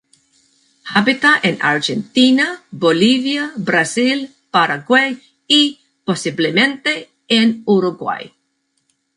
Habita en Argentina, Bolivia, Brasil, Paraguay y posiblemente en Uruguay.